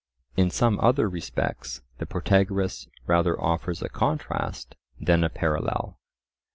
In some other respects the Protagoras rather offers a contrast than a parallel.